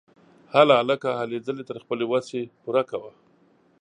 هله هلکه ! هلې ځلې تر خپلې وسې پوره کوه!